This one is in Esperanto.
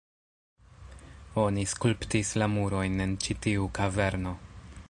Oni skulptis la murojn en ĉi tiu kaverno